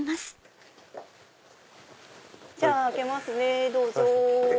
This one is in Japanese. じゃあ開けますねどうぞ。